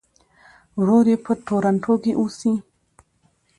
ورور یې په ټورنټو کې اوسي.